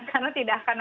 karena tidak akan ada